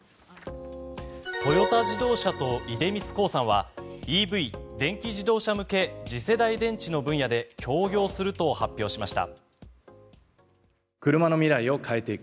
トヨタ自動車と出光興産はＥＶ・電気自動車向け次世代電池の分野で協業すると発表しました。